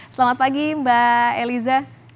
selamat pagi mbak eliza